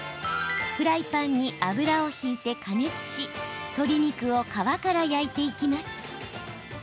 フライパンに油を引いて加熱し鶏肉を皮から焼いていきます。